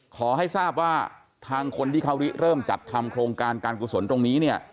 ขอให้ทราบว่าทางคนที่เขาเริ่มจัดทำโครงการการกุศลตรงนี้เนี่ย